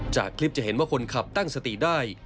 จากคลิปจะเห็นว่าคนขับตั้งสติได้